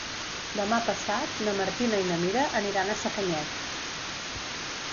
Demà passat na Martina i na Mira aniran a Sacanyet.